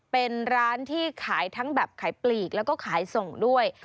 เป็นร้านที่ขายทั้งแบบขายปลีกแล้วก็ขายส่งด้วย